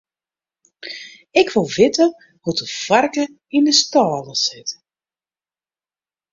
Ik wol witte hoe't de foarke yn 'e stâle sit.